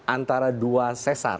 antara dua sesar